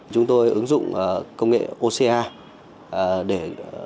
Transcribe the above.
chúng tôi ứng dụng công nghệ oca để khách hàng có thể chụp các hồ sơ bồi thường bảo hiểm